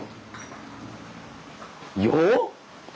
よっ！？